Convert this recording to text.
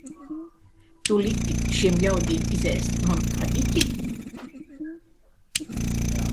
Tu liki šiem ļaudīm izēst manu kadiķi!